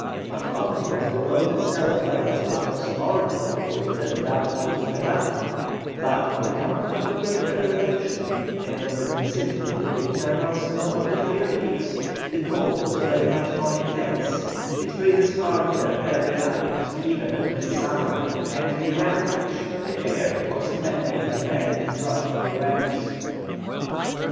Not only was the road itself by Los Patos more difficult than that by Uspallata, but on account of the greater elevation, and of its vicinity to the eternal snow of the higher peaks, the cold was very much more intense; it freezes hard there every night, even at midsummer, and the rarefaction of the air caused many of the men to drop from the ranks.